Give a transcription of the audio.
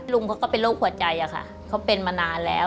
ลุงเขาก็เป็นโรคหัวใจอะค่ะเขาเป็นมานานแล้ว